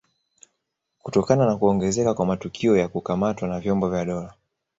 Kutokana na kuongezeka kwa matukio ya kukamatwa na vyombo vya dola